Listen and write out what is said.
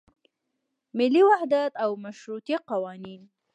ملي وحدت او مشروطیه قوانین.